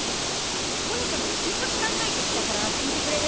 とにかくせっかく考えてきたから聞いてくれる？